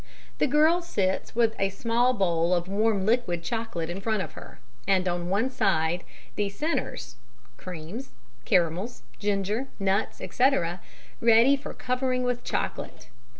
] The girl sits with a small bowl of warm liquid chocolate in front of her, and on one side the "centres" (cremes, caramels, ginger, nuts, etc.) ready for covering with chocolate.